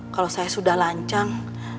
kalau saya sudah lancang